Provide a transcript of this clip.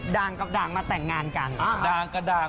ด่างกับด่างมาแต่งงานกัน